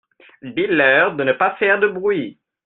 Dis-leur de ne pas faire de bruit.